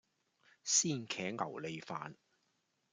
鮮茄牛脷飯